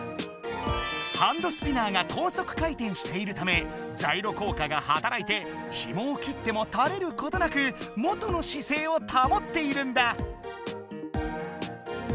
ハンドスピナーが高速回転しているためジャイロ効果がはたらいてひもを切ってもたれることなく元の姿勢をたもっているんだ。